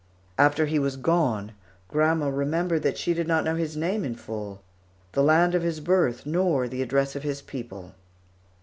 After he was gone, grandma remembered that she did not know his name in full, the land of his birth, nor the address of his people.